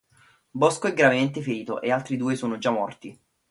Bosco è gravemente ferito, e gli altri due sono già morti.